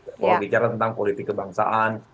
kalau bicara tentang politik kebangsaan